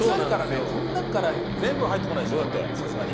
この中から全部は入ってこないでしょだってさすがに。